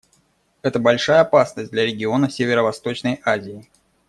Это большая опасность для региона Северо-Восточной Азии.